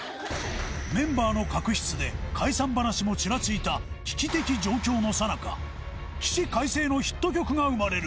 メンバーの確執で解散話もチラついた危機的状況のさなか起死回生のヒット曲が生まれる。